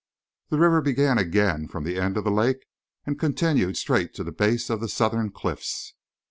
The river began again from the end of the lake and continued straight to the base of the southern cliffs.